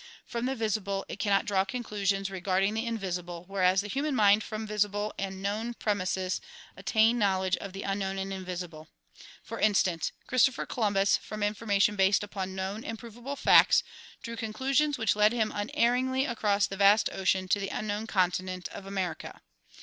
From the visible it cannot draw conclusions regarding the invisible whereas the human mind from visible and known prem ises attains knowledge of the unknown and invisible. For instance, Christopher Columbus from information based upon known and provable facts drew conclusions which led him unerringly across the vast ocean to the unknown continent of America.